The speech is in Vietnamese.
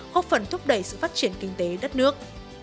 góp phần thúc đẩy sự phát triển kinh tế đất nước